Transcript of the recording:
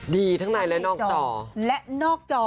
ดีทั้งในและนอกจอ